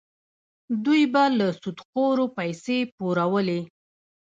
دوی به له سودخورو پیسې پورولې.